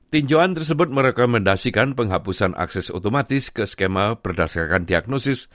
tinjauan tersebut merekomendasikan penghapusan akses otomatis ke skema berdasarkan diagnosis